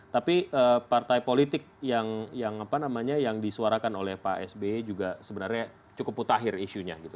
tapi partai politik yang disuarakan oleh pak sby juga sebenarnya cukup mutakhir isunya gitu